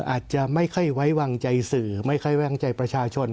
อาจจะไม่ค่อยไว้วางใจสื่อไม่ค่อยไว้วางใจประชาชน